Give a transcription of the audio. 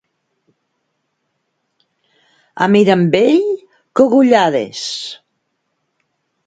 A Mirambell, cogullades.